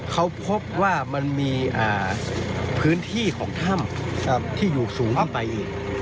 เขาพบว่ามันมีพื้นที่ของถ้ำที่อยู่สูงเข้าไปอีก